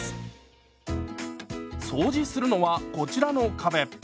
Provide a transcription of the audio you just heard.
掃除するのはこちらの壁。